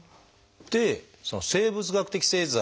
でその生物学的製剤。